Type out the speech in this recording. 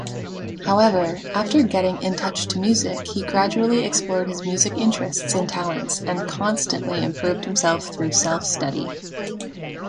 However, after getting in touch to music, he gradually explored his music interests and talents, and constantly improved himself through self-study.